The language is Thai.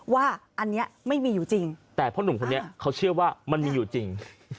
ว่าอันนี้ไม่มีอยู่จริงแต่พ่อหนุ่มคนนี้เขาเชื่อว่ามันมีอยู่จริง